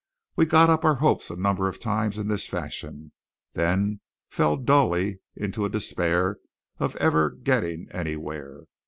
We got up our hopes a number of times in this fashion, then fell dully into a despair of ever getting anywhere.